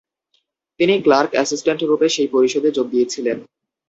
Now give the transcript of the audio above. তিনি ক্লার্ক-অ্যাসিস্ট্যান্ট রূপে সেই পরিষদে যোগ দিয়েছিলেন।